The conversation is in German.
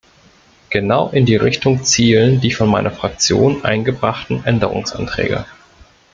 Genau in die Richtung zielen die von meiner Fraktion eingebrachten Änderungsanträge.